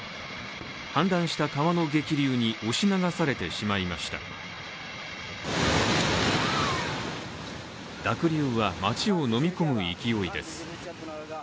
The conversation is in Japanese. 氾濫した川の激流に押し流されてしまいました濁流は街をのみ込む勢いです。